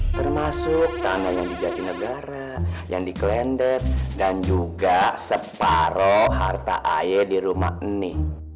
termasuk tanah yang dijati negara yang diklender dan juga separoh harta aye di rumah ini